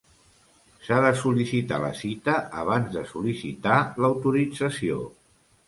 S'ha de sol·licitar la cita abans de sol·licitar l'autorització.